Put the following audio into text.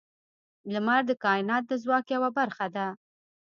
• لمر د کائنات د ځواک یوه برخه ده.